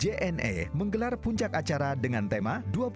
jna menggelar puncak acara dengan tema